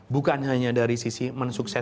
bukan hanya dari sisi mensukseskan